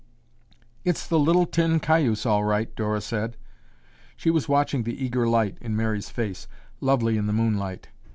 "It's the little 'tin Cayuse,' all right," Dora said. She was watching the eager light in Mary's face, lovely in the moonlight.